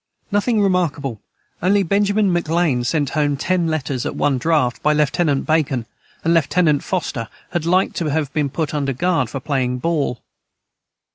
Nothing remarkable only Benjamin Mc Lain sent home 10 Letters at one draught by Lieutenant Bacon and Lieutenant Foster had Likt to have been put under guard for playing ball.